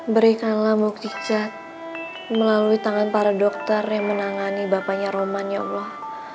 berikanlah mau kicat melalui tangan para dokter yang menangani bapaknya roman ya allah